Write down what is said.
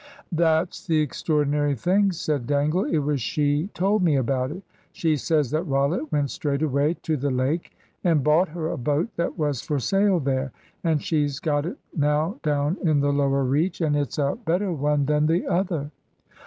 "That's the extraordinary thing," said Dangle. "It was she told me about it. She says that Rollitt went straight away to the lake and bought her a boat that was for sale there; and she's got it now down in the lower reach; and it's a better one than the other."